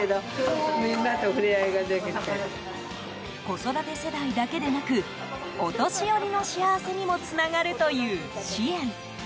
子育て世代だけでなくお年寄りの幸せにもつながるという支援。